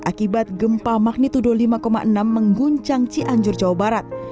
akibat gempa magnitudo lima enam mengguncang cianjur jawa barat